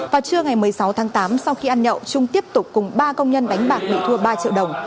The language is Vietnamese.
vào trưa ngày một mươi sáu tháng tám sau khi ăn nhậu trung tiếp tục cùng ba công nhân đánh bạc bị thua ba triệu đồng